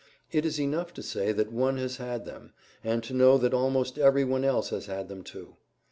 It is enough to say that one has had them, and to know that almost everyone else has had them, too.